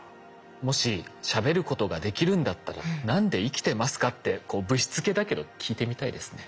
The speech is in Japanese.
もししゃべることができるんだったら「何で生きてますか？」ってぶしつけだけど聞いてみたいですね。